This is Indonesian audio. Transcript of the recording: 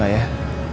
ma masuk gak ya